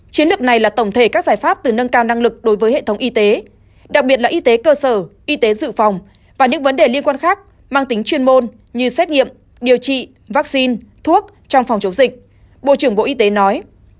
chiến lược này là tổng thể các giải pháp từ nâng cao năng lực đối với hệ thống y tế đặc biệt là y tế cơ sở y tế dự phòng và những vấn đề liên quan khác mang tính chuyên môn như xét nghiệm điều trị vaccine thuốc trong phòng chống dịch bộ trưởng bộ y tế nói